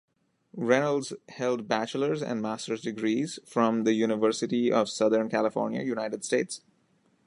Reynolds held bachelor's and master's degrees from the University of Southern California, United States.